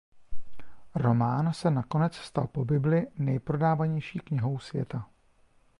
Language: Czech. Román se nakonec stal po Bibli nejprodávanější knihou světa.